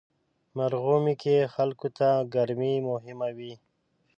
مرغومی کې خلکو ته ګرمي مهمه وي.